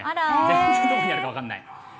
全然どこにあるか分からない。